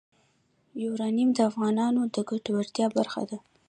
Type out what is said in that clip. یورانیم د افغانانو د ګټورتیا برخه ده.